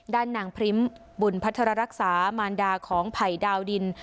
ด้านนางพริมบุญพัทรรักษามารดาของไผ่ดาวดิน